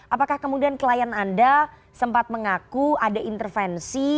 apakah kemudian klien anda sempat mengaku ada intervensi